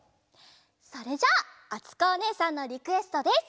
それじゃああつこおねえさんのリクエストです。